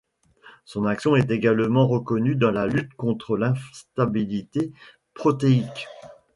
Son action est également reconnue dans la lutte contre l’instabilité protéique.